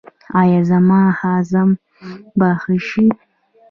ایا زما هضم به ښه شي؟